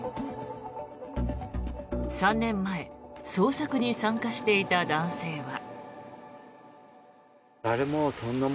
３年前捜索に参加していた男性は。